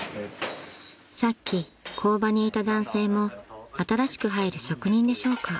［さっき工場にいた男性も新しく入る職人でしょうか］